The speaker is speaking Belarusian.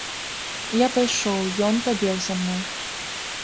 Я пайшоў, ён пабег за мной.